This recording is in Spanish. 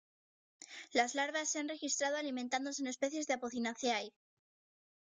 Las larvas se han registrado alimentándose en especies de Apocynaceae.